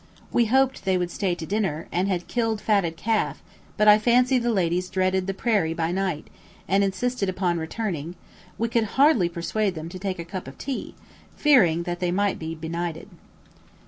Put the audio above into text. We hoped they would star to dinner, and had "killed fatted calf"; but I fancy the ladies dreaded the prairie by night, and insisted upon returning we could hardly persuade them to take a cup of tea fearing that they might be benighted.